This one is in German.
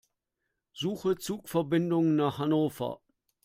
Suche Zugverbindungen nach Hannover.